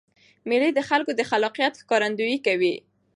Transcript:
مېلې د خلکو د خلاقیت ښکارندویي کوي.